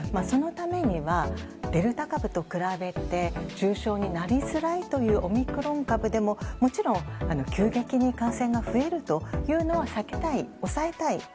そのためには、デルタ株と比べて重症になりづらいというオミクロン株でももちろん急激に感染が増えるというのは避けたい、抑えたい。